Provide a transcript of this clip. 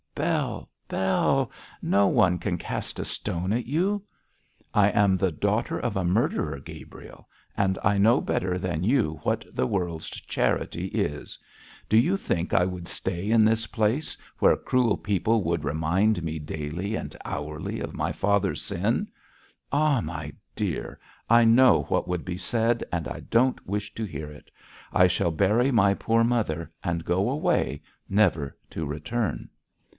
'Bell! Bell! no one can cast a stone at you.' 'I am the daughter of a murderer, Gabriel; and I know better than you what the world's charity is. Do you think I would stay in this place, where cruel people would remind me daily and hourly of my father's sin? Ah, my dear, I know what would be said, and I don't wish to hear it. I shall bury my poor mother, and go away, never to return.'